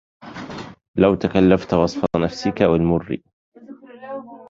لو تكلفت وصف نفسك والمر